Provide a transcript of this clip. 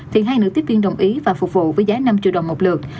thì hai nữ tiếp viên đồng ý và phục vụ với giá năm triệu đồng một lượt